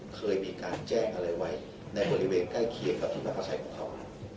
เคยมีการแจ้งอะไรไว้ในบริเวณใกล้เคียงกับที่พักอาศัยของเขา